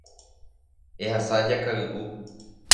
Ehasa jakay'u.